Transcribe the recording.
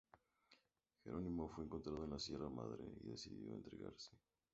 Gerónimo fue encontrado en la Sierra Madre y decidió entregarse.